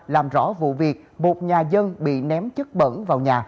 làm rõ vụ việc một nhà dân bị ném chất bẩn vào nhà